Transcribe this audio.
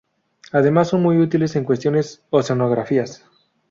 Además, son muy útiles en cuestiones oceanográficas.